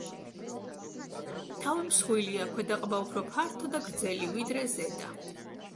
თავი მსხვილია, ქვედა ყბა უფრო ფართო და გრძელი, ვიდრე ზედა.